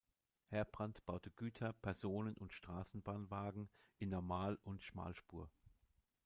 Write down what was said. Herbrand baute Güter-, Personen- und Straßenbahnwagen in Normal- und Schmalspur.